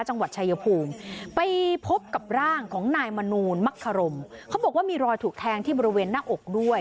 จังหวัดชายภูมิไปพบกับร่างของนายมนูลมักคารมเขาบอกว่ามีรอยถูกแทงที่บริเวณหน้าอกด้วย